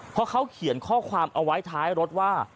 เพราะเขาเขียนข้อความเอาไว้ท้ายรถว่า